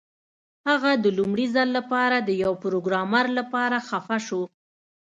هغه د لومړي ځل لپاره د یو پروګرامر لپاره خفه شو